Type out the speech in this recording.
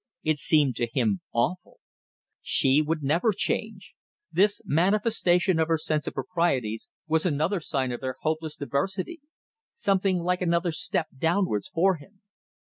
It seemed to him awful. She would never change! This manifestation of her sense of proprieties was another sign of their hopeless diversity; something like another step downwards for him.